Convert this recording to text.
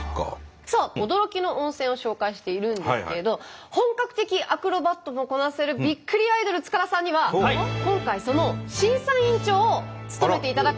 さあ驚きの温泉を紹介しているんですけれど本格的アクロバットもこなせるびっくりアイドル塚田さんには今回その審査員長を務めていただこうと思います。